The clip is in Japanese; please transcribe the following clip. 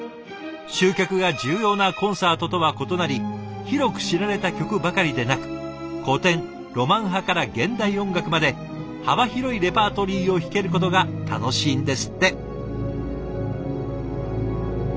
集客が重要なコンサートとは異なり広く知られた曲ばかりでなく古典ロマン派から現代音楽まで幅広いレパートリーを弾けることが楽しいんですって。